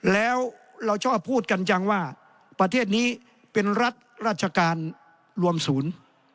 แล้วเราชอบพูดกันจังว่าประเทศนี้เป็นรัฐราชการรวมศูนย์